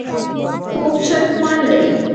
پوخ چرګ خوند لري